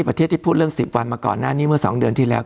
ประเทศที่พูดเรื่อง๑๐วันมาก่อนหน้านี้เมื่อ๒เดือนที่แล้ว